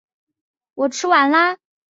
弗赖斯人口变化图示